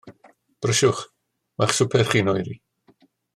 Brysiwch, mae'ch swper chi'n oeri.